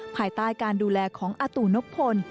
ภายใต้การดูแลของอาตู่นพล